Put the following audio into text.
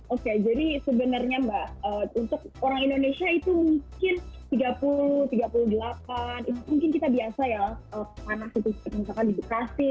oke jadi sebenarnya mbak untuk orang indonesia itu mungkin tiga puluh tiga puluh delapan itu mungkin kita biasa ya panas itu seperti misalkan di bekasi